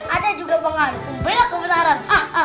ada juga pengantin beri kebenaran